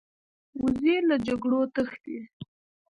وزې له جګړو تښتي